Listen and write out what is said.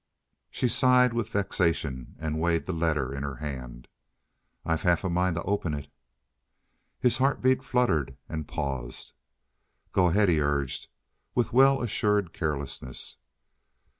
She sighed with vexation and weighed the letter in her hand. "I've half a mind to open it." His heartbeat fluttered and paused. "Go ahead," he urged, with well assured carelessness.